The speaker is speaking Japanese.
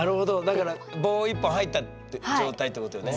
だから棒１本入ったって状態ってことよね？